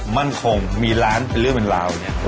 มันคงมีร้านเป็นเรื่องเหลือนเหล่าเนี่ย